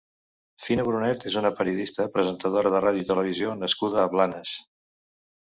Fina Brunet és una periodista, presentadora de ràdio i televisió nascuda a Blanes.